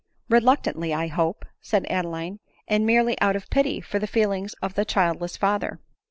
" Reluctantly, I hope," said Adeline, " and merely out of pity for the feelings of the childless father."